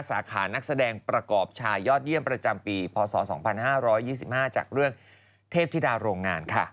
สาขานักแสดงประกอบชายยอดเยี่ยมประจำปีพศ๒๕๒๕จากเรื่องเทพธิดาโรงงานค่ะ